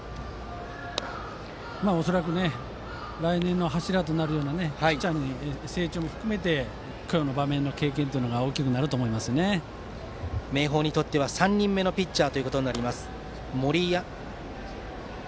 恐らく来年の柱となるようなピッチャーの成長も含めて今日の場面の経験が明豊にとっては３人目のピッチャーとなります。